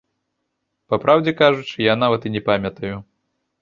Па праўдзе кажучы, я нават і не памятаю.